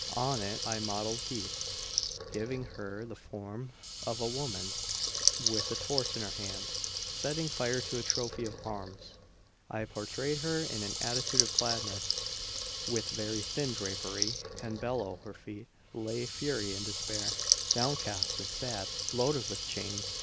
On it I modelled Peace, giving her the form of a woman with a torch in her hand, setting fire to a trophy of arms; I portrayed her in an attitude of gladness, with very thin drapery, and below her feet lay Fury in despair, downcast and sad, and loaded with chains.